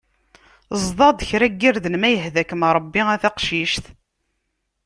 Ezḍ-aɣ-d kra n yirden ma yehda-kem Rebbi a taqcict.